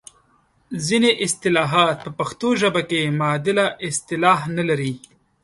ځینې اصطلاحات په پښتو ژبه کې معادله اصطلاح نه لري.